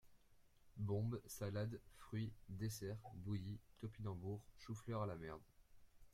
Bombe, salade, fruits, dessert, bouilli, topinambours, choux-fleurs à la merdre.